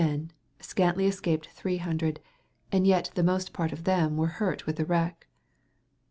men scantely escaped iiiC and yet the most part of them were hurt with the wrecke.